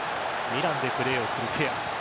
ミランでプレーをするケア。